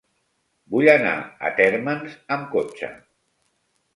Vull anar a Térmens amb cotxe.